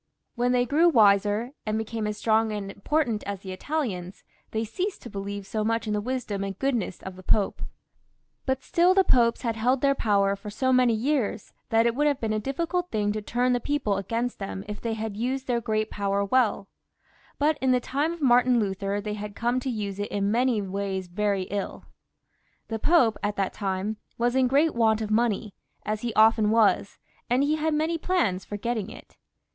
When they grew wiser and became as strong and import ant as the Italians, they left off believing so much in the wisdom and goodness of the Pope. "V." 240 FRANCIS I. ' [CH. But still the popes had held their power for so many years, that it would have been a diflScult thing to turn the people against them, if they had used their great power welL But in the time of Martin Luther they had come to use it in many ways very ilL The Pope, at that time, was in great want of mbney, as he often was, and he had many plans for getting some.